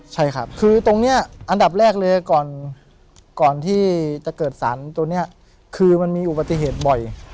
ใช่ครับคือตรงนี้อันดับแรกเลยก่อนที่จะเกิดสารตัวนี้คือมันมีอุบัติเหตุบ่อย